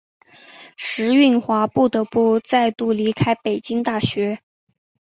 石蕴华不得不再度离开北京大学。